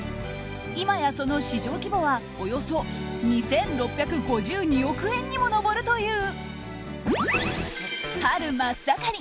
今やその市場規模はおよそ２６５２億円にも上るという。